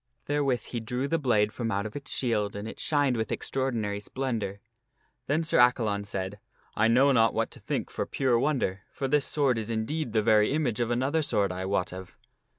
Therewith he drew the blade from out of its shield and it shined with extraordinary splendor. Then Sir Acca Qomyne shmaetk Ion said, " 1 know not what to think for pure wonder, for this J^jgjj^ sword is indeed the very image of another sword I wot of."